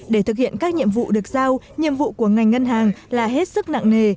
để thực hiện các nhiệm vụ được giao nhiệm vụ của ngành ngân hàng là hết sức nặng nề